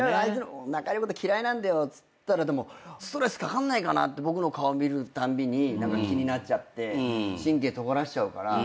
中居のこと嫌いなんだよっつったらでもストレスかかんないかなって僕の顔見るたんびに気になっちゃって神経とがらせちゃうから。